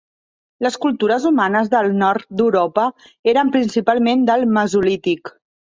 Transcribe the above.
Les cultures humanes del nord d’Europa eren principalment del Mesolític.